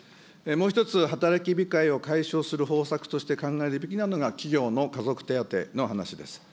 もう一つ、働き控えを解消する方策として考えるべきなのが、企業の家族手当の話です。